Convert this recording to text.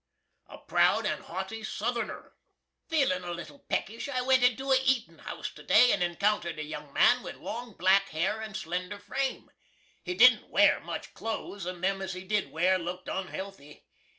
A PROUD AND HAWTY SUTHENER. Feelin' a little peckish, I went into a eatin' house to day and encountered a young man with long black hair and slender frame. He didn't wear much clothes, and them as he did wear looked onhealthy.